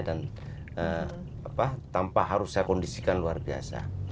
dan tanpa harus saya kondisikan luar biasa